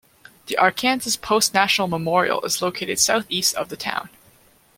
The Arkansas Post National Memorial is located southeast of the town.